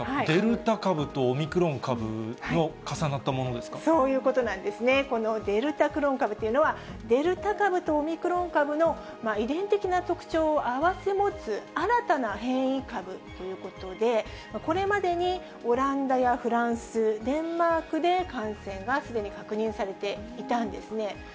デルタ株とオミクロン株の重そういうことなんですね、このデルタクロン株というのは、デルタ株とオミクロン株の遺伝的な特徴を併せ持つ、新たな変異株ということで、これまでにオランダやフランス、デンマークで感染がすでに確認されていたんですね。